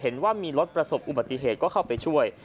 เห็นว่ามีรถประสบอุบัติเหตุก็เข้าไปช่วย